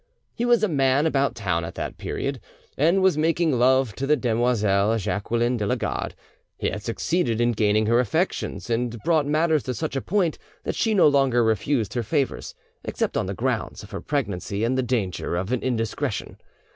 He was a man about town at that period, and was making love to the demoiselle Jacqueline de la Garde; he had succeeded in gaining her affections, and brought matters to such a point that she no longer refused her favours except on the grounds of her pregnancy and the danger of an indiscretion.